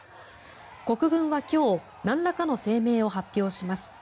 国軍は今日なんらかの声明を発表します。